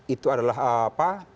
itu adalah apa